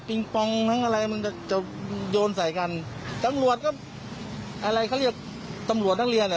ปองทั้งอะไรมันจะจะโยนใส่กันตำรวจก็อะไรเขาเรียกตำรวจนักเรียนอ่ะ